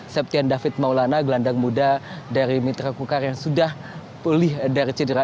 septian david maulana gelandang muda dari mitra kukar yang sudah pulih dari cedera